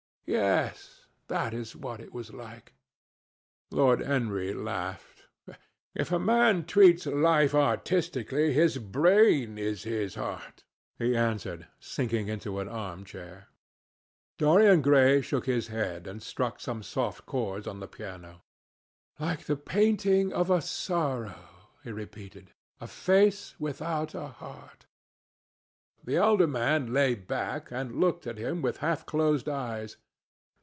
Yes: that is what it was like." Lord Henry laughed. "If a man treats life artistically, his brain is his heart," he answered, sinking into an arm chair. Dorian Gray shook his head and struck some soft chords on the piano. "'Like the painting of a sorrow,'" he repeated, "'a face without a heart.'" The elder man lay back and looked at him with half closed eyes.